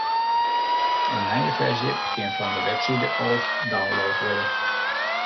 In nije ferzje kin fan de webside ôf download wurde.